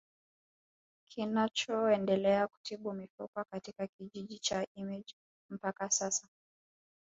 Kinachoendelea kutibu mifupa katika kijiji cha Image cha mpaka sasa